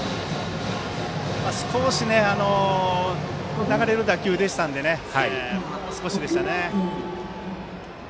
少し流れる打球でしたのでもう少しでしたね。